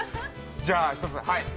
◆じゃあ１つ。